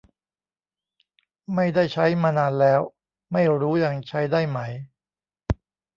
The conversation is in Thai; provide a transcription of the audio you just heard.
ไม่ได้ใช้มานานแล้ว ไม่รู้ยังใช้ได้ไหม